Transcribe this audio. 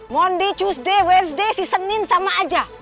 mondi tuesday wednesday si senin sama aja